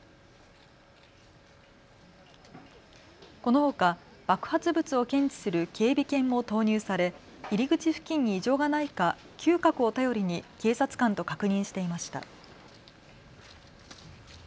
このほか爆発物を検知する警備犬も投入され入り口付近に異常がないか嗅覚を頼りに警察官と確認していました。